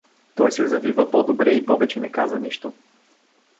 Той се завива по-добре и повече не каза нищо.